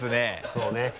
そうね。